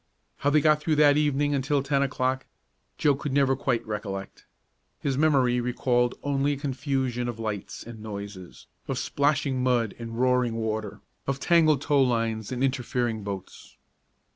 How they got through that evening until ten o'clock, Joe could never quite recollect. His memory recalled only a confusion of lights and noises, of splashing mud and roaring water, of tangled tow lines and interfering boats.